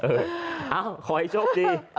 เอ้าขอให้โชคดี